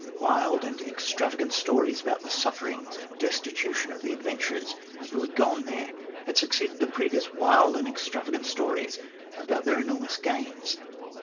Wild and extravagant stories 132 THE GLADSTONE COLONY about the sufferings and destitution of the adventurers who had gone there had succeeded the previous wild and extra vagant stories about their enormous gains.